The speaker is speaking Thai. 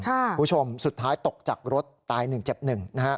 คุณผู้ชมสุดท้ายตกจากรถตายหนึ่งเจ็บหนึ่ง